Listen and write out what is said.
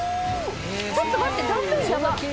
ちょっと待って断面ヤバっ！